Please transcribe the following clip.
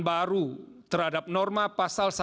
baru terhadap norma pasal